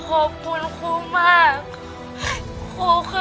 ขอบคุณครูมาก